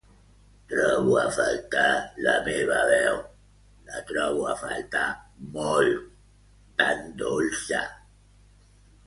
Trobo a faltar la meva veu, la trobo a faltar molt, tan dolça.